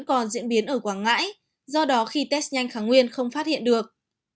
còn diễn biến ở quảng ngãi do đó khi test nhanh kháng nguyên không phát hiện được